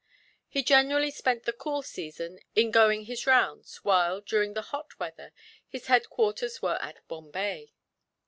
He generally spent the cool season in going his rounds while, during the hot weather, his headquarters were at Bombay.